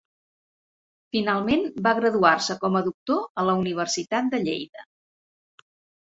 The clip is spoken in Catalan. Finalment va graduar-se com a doctor a la Universitat de Lleida.